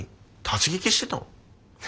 立ち聞きしてたの？